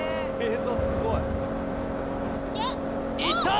いった！